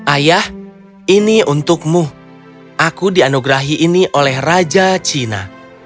ayah ini untukmu aku dianugerahi ini oleh raja china